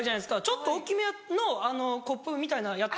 ちょっと大っきめのコップみたいなんやったから